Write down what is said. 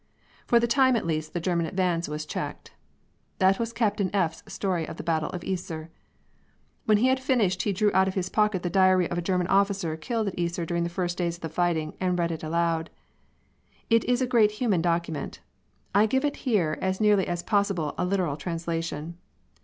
For the time, at least, the German advance was checked. That was Captain F 's story of the battle of the Yser. When he had finished he drew out of his pocket the diary of a German officer killed at the Yser during the first days of the fighting, and read it aloud. It is a great human document. I give here as nearly as possible a literal translation.